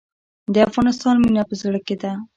د افغانستان مینه په زړه کې ده